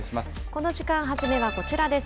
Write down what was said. この時間、初めはこちらです。